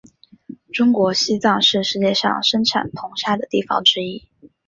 中国西藏是世界上盛产硼砂的地方之一。